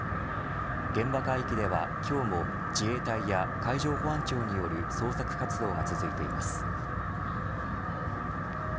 現場海域では今日も自衛隊や、海上保安庁による捜索活動が続いています。